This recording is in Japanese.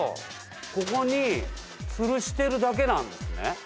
ここに吊るしてるだけなんですね。